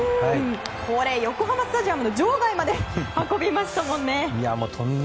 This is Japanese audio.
これ、横浜スタジアムの場外まで運びましたもんね。